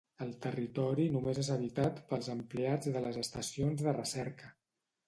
El territori només és habitat pels empleats de les estacions de recerca.